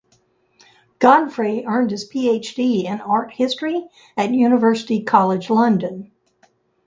Godfrey earned his PhD in art history at University College London.